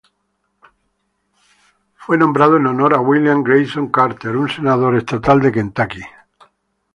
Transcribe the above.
Fue nombrado en honor a William Grayson Carter, un senador estatal de Kentucky.